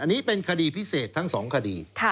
อันนี้เป็นคดีพิเศษทั้ง๒คดี